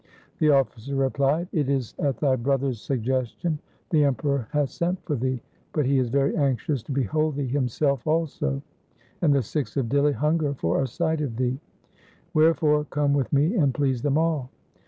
The officer replied, ' It is at thy brother's 320 THE SIKH RELIGION suggestion the Emperor hath sent for thee, but he is very anxious to behold thee himself also, and the Sikhs of Dihli hunger for a sight of thee. Where fore come with me and please them all.'